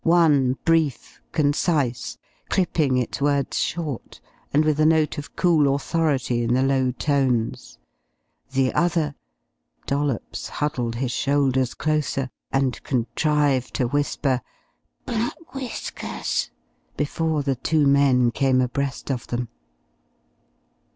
One, brief, concise, clipping its words short, and with a note of cool authority in the low tones; the other Dollops huddled his shoulders closer and contrived to whisper "Black Whiskers" before the two men came abreast of them.